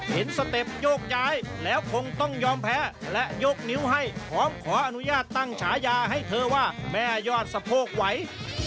สเต็ปโยกย้ายแล้วคงต้องยอมแพ้และยกนิ้วให้พร้อมขออนุญาตตั้งฉายาให้เธอว่าแม่ยอดสะโพกไหว